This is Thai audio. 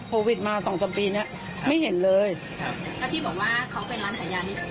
โควิดมาสองสามปีเนี้ยไม่เห็นเลยครับแล้วที่บอกว่าเขาเป็นร้านขายยานิด